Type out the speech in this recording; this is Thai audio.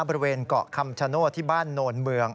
บริเวณเกาะคำชโนธที่บ้านโนนเมือง